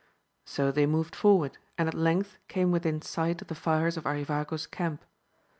So they moved forward, and at length came within sight of the fires of Arivago's camp.